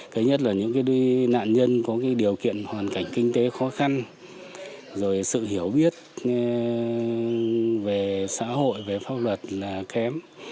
cái nhất là những nạn nhân có điều kiện hoàn cảnh kinh tế khó khăn rồi sự hiểu biết về xã hội về pháp luật là kém